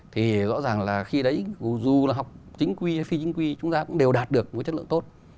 thì rõ ràng là khi đấy dù là học chính quy hay phi chính quy chúng ta cũng đều đạt được với chất lượng tốt